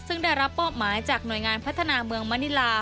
ซึ่งได้รับมอบหมายจากหน่วยงานพัฒนาเมืองมณิลา